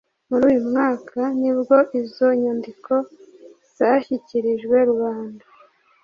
Muri uyu mwaka ni bwo izo nyandiko zashyikirijwe rubanda